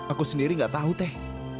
aku sendiri gak tahu teh